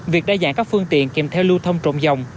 việc đa dạng các phương tiện kèm theo lưu thông trộm dòng